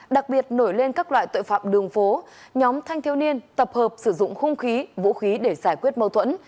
đặc biệt nổi lên các loại tội phạm đường phố nhóm thanh thiếu niên tập hợp sử dụng hung khí vũ khí để giải quyết mâu thuẫn